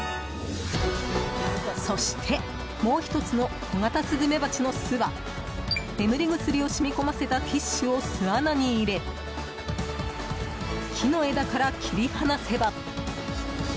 そして、もう１つのコガタスズメバチの巣は眠り薬を染み込ませたティッシュを巣穴に入れ木の枝から切り離せば。